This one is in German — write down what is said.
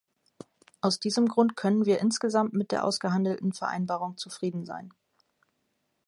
Aus diesem Grund können wir insgesamt mit der ausgehandelten Vereinbarung zufrieden sein.